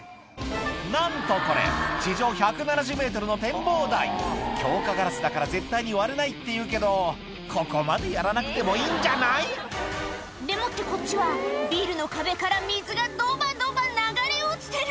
なんとこれの展望台強化ガラスだから絶対に割れないっていうけどここまでやらなくてもいいんじゃない？でもってこっちはビルの壁から水がドバドバ流れ落ちてる！